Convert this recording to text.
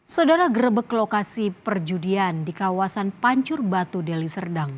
saudara gerebek lokasi perjudian di kawasan pancur batu deli serdang